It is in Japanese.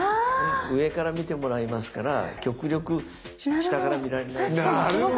上から見てもらいますから極力下から見られないように。